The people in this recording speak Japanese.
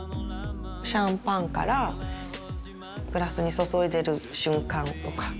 シャンパンからグラスに注いでる瞬間とか。